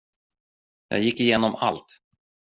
Jag gick igenom allt.